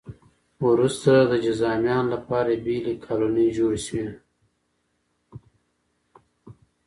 وروسته د جذامیانو لپاره بېلې کالونۍ جوړې شوې.